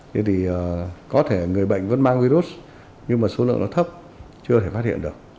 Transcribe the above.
thế thì có thể người bệnh vẫn mang virus nhưng mà số lượng nó thấp chưa thể phát hiện được